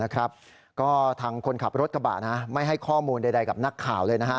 ก็ทางคนขับรถกระบะไม่ให้ข้อมูลใดกับนักข่าวเลยนะฮะ